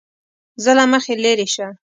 زه له مخې لېرې شه!